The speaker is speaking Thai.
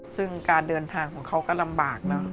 ซึ่งการเดินทางของเขาก็ลำบากเนอะ